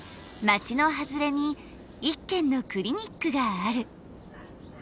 町の外れに一軒のクリニックがある。